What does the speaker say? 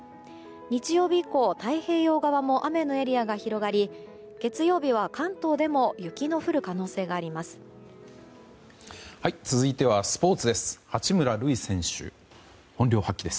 日曜日以降、太平洋側も雨のエリアが広がり月曜日は関東でも雪の降る可能性があります。